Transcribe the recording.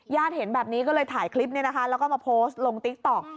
เห็นแบบนี้ก็เลยถ่ายคลิปนี้นะคะแล้วก็มาโพสต์ลงติ๊กต๊อก